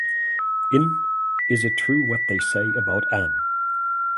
In "Is It True What They Say About Ann?